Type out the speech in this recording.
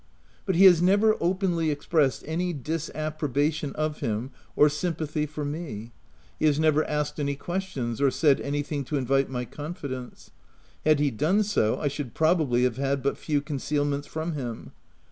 But he has never openly ex pressed any disapprobation of him or sympathy for me ; he has never asked any questions, or said anything to invite my confidence. Had he done so, I should probably have had but few concealments from him.